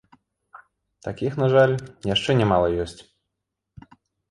Такіх, на жаль, яшчэ нямала ёсць.